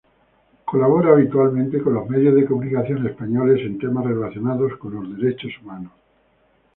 Colabora habitualmente con los medios de comunicación españoles en temas relacionados con derechos humanos.